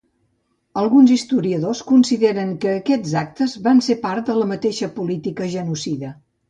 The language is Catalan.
Alguns historiadors consideren que aquests actes van ser part de la mateixa política genocida.